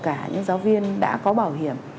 cả những giáo viên đã có bảo hiểm